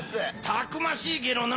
たくましいゲロな。